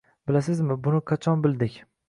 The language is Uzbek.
Bilasizmi, buni qachon bildik?